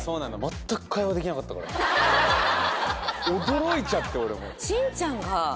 驚いちゃって俺も。